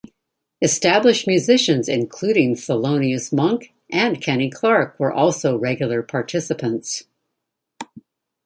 Established musicians including Thelonious Monk and Kenny Clarke were also regular participants.